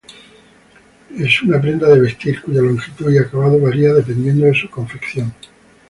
Es una prenda de vestir, cuya longitud y acabado varía dependiendo de su confección.